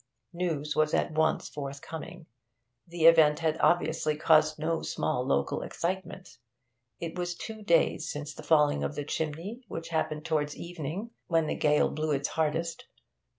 News was at once forthcoming; the event had obviously caused no small local excitement. It was two days since the falling of the chimney, which happened towards evening, when the gale blew its hardest.